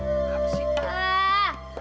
apa sih pak